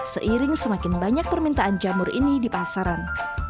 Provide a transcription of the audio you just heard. seiring semakin banyak permintaan jamur ini di pasaran